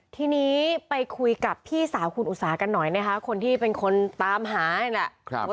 ทีนี้ไปคุยกับพี่สาวคุณอุตสากันหน่อยนะคะคนที่เป็นคนตามหานี่แหละ